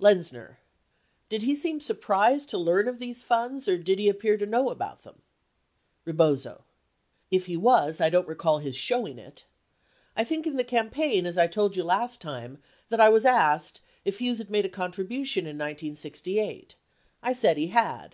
Lenzner. Did he seem surprised to learn of these funds or did he appear to know about them ? Rebozo. If he was I don't recall his showing it. I think in the campaign as I told you last time, that I was asked, if Hughes had made a contribution in 1968. I said he had.